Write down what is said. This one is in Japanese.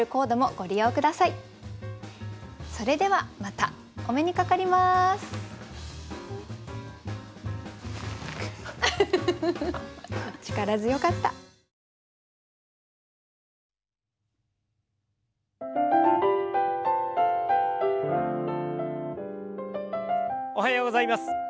おはようございます。